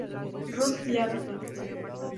Ruth Leavitt.